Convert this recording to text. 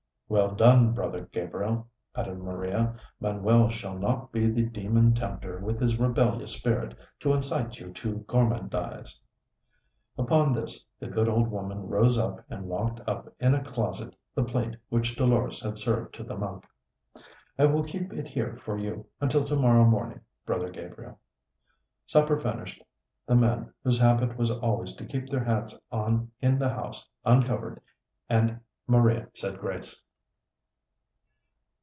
"Well done, Brother Gabriel!" added Maria; "Manuel shall not be the demon tempter with his rebellious spirit, to incite you to gormandize." Upon this, the good old woman rose up and locked up in a closet the plate which Dolores had served to the monk. "I will keep it here for you until to morrow morning, Brother Gabriel." Supper finished, the men, whose habit was always to keep their hats on in the house, uncovered, and Maria said grace.